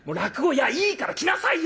「いやいいから来なさいよ！」